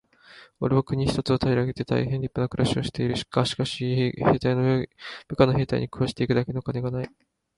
「おれは国一つを平げて大へん立派な暮しをしている。がしかし、部下の兵隊に食わして行くだけの金がない。」